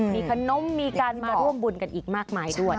มีขนมมีการมาร่วมบุญกันอีกมากมายด้วย